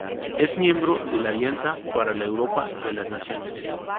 Es miembro de la Alianza para la Europa de las Naciones.